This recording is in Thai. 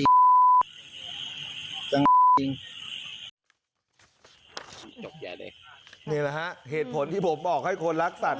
ต้องเจอกเองจบแย่เลยนี่แหละค่ะเหตุผลที่ผมบอกให้คนรักสัตว์